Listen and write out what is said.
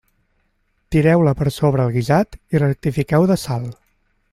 Tireu-la per sobre el guisat i rectifiqueu de sal.